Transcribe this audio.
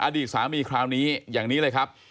อดีตสามีคราวนี้อย่างนี้เลยครับ